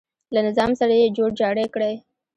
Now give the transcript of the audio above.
له نظام سره یې جوړ جاړی کړی.